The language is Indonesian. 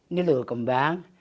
ini loh kembang